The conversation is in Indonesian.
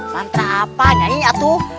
mantra apa nyai tuh